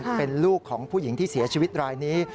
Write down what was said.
เป็นลูกของผู้หญิงที่เสียชีวิตรายนี้